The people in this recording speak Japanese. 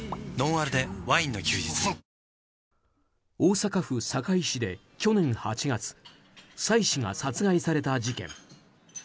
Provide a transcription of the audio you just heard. あふっ大阪府堺市で去年８月妻子が殺害された事件。